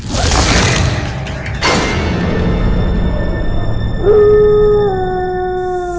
pak rt jalan